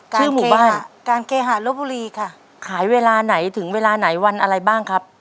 ชื่อหมู่บ้านการเคหารบบุรีค่ะขายเวลาไหนถึงเวลาไหนวันอะไรบ้างครับ